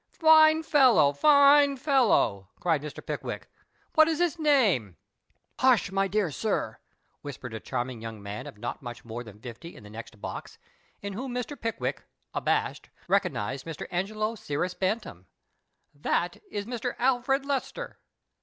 " Fine fellow, fine fellow," cried Mr. Pickwick ;" what is his name ?"" Hush h h, my dear sir," whispered a charming young man of not nmch more than fifty in the next box, in whom Mr. Pickwick, abashed, recognized Mr. Angelo Cyrus Bantam, "that is Mr. Alfred Lester."